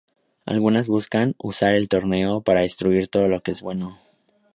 Algunos buscan usar el torneo para destruir todo lo que es bueno.